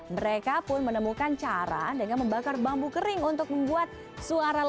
mereka pun menemukan cara dengan membakar bambu kering untuk membuat suara ledakan